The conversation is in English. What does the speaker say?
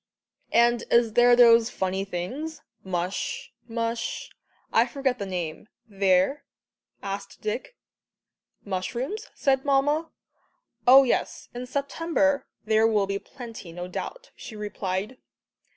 "And is there those funny things mush mush I forget the name there?" asked Dick. "Mushrooms?" said Mamma. "Oh, yes, in September there will be plenty, no doubt," she replied.